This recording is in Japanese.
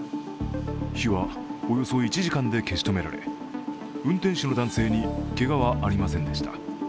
火はおよそ１時間で消し止められ、運転手の男性にけがはありませんでした。